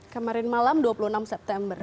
kemarin malam dua puluh enam september